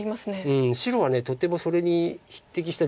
うん白はとてもそれに匹敵した地が。